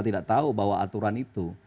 tidak tahu bahwa aturan itu